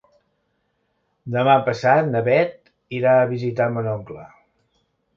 Demà passat na Beth irà a visitar mon oncle.